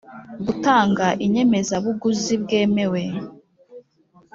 Gutanga inyemezabuguzi bwemewe